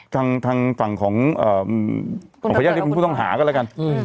ทางทางฝั่งของเอ่อของพยาบาลเรียนคุณผู้ต้องหาก็แล้วกันอืม